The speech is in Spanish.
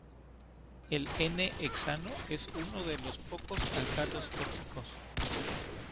El "n"-hexano es uno de los pocos alcanos tóxicos.